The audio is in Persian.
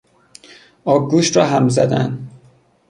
آبگوشت را هم زدن